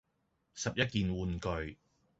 十一件玩具